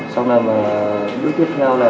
xong là bước tiếp theo là